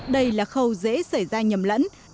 đây là khâu dễ xảy ra nhầm lẫn